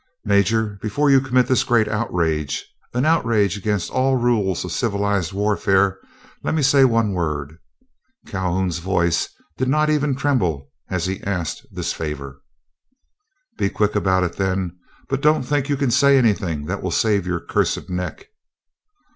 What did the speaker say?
"Major, before you commit this great outrage—an outrage against all rules of civilized warfare—let me say one word." Calhoun's voice did not even tremble as he asked this favor. "Be quick about it, then, but don't think you can say anything that will save your cursed neck!"